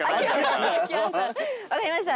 分かりました。